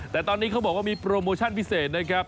แต่ตอนนี้เขาบอกว่ามีโปรโมชั่นพิเศษนะครับ